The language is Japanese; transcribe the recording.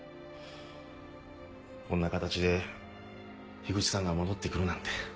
こんな形で口さんが戻って来るなんて。